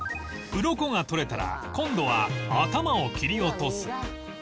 ウロコが取れたら今度は頭を切り落とす